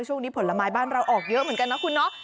ผลไม้บ้านเราออกเยอะเหมือนกันนะคุณเนาะ